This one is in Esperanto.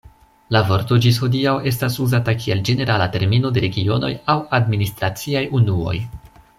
La vorto ĝis hodiaŭ estas uzata kiel ĝenerala termino de regionoj aŭ administraciaj unuoj.